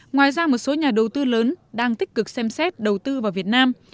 ngoài ra một số nhà đầu tư lớn đang tích cực xem xét đầu tư vào việt nam